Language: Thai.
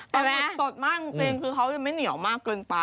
แต่มันสดมากจริงคือมันยังไม่เหนียวมากเกินไป